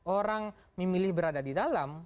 orang memilih berada di dalam